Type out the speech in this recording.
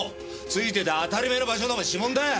付いてて当たり前の場所の指紋だよ！